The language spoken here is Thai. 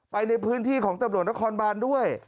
ไปในพื้นที่ของตำรวจนครบานด้วย